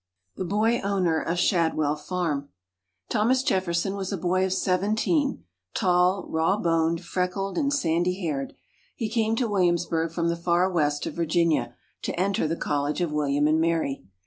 THE BOY OWNER OF SHADWELL FARM Thomas Jefferson was a boy of seventeen, tall, raw boned, freckled, and sandy haired. He came to Williamsburg from the far west of Virginia, to enter the College of William and Mary.